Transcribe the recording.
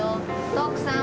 徳さん